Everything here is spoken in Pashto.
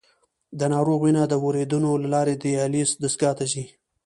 د ناروغ وینه د وریدونو له لارې د دیالیز دستګاه ته ځي.